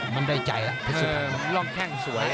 มันได้ใจแล้วล่องแข่งสวย